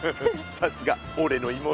さすがおれの妹。